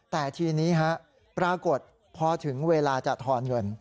แต่ทีนี้ปรากฏพอถึงเวลาจะทอนเงิน